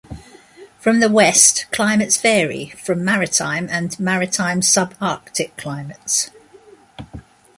From the west climates vary from maritime and maritime subarctic climates.